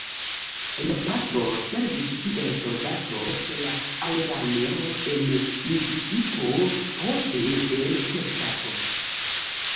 Lia patro servis kiel soldato ĉe la aerarmeo en Misisipo, poste en Teksaso.